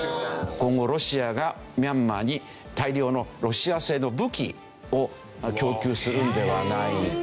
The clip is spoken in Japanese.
今後ロシアがミャンマーに大量のロシア製の武器を供給するんではないか。